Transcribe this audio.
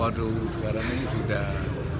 waduh sekarang ini sudah